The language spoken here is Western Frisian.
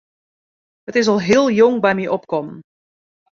It is al heel jong by my opkommen.